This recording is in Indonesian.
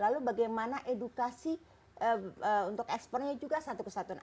lalu bagaimana edukasi untuk ekspornya juga satu kesatuan